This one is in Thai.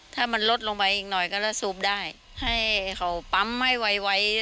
ถ้ามันลดลงไปอีกหน่อยก็จะซูบได้ให้เขาปั๊มให้ไว